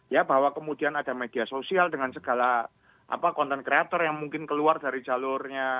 ya bahwa kemudian ada media sosial dengan segala content creator yang mungkin keluar dari jalurnya